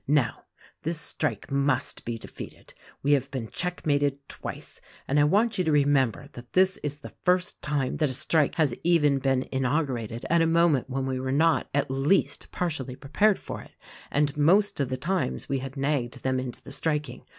Now this strike must be defeated. We have been checkmated twice, and I want you to remem ber that this is the first time that a strike has even been inaugurated at a moment when we were not, at least, par tially prepared for it — and most of the times we had nagged them into the striking.